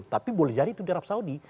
tapi boleh jadi itu di arab saudi